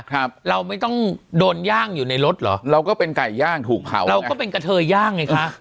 ครับเราไม่ต้องโดนย่างอยู่ในรถเหรอเราก็เป็นไก่ย่างถูกเผาเราก็เป็นกะเทยย่างไงคะ